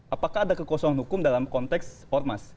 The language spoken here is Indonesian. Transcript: apakah ada kekosongan hukum dalam konteks ormas